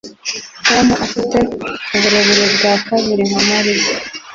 Tom afite uburebure bwa kabiri nka Mariya